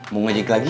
mau ngajak lagi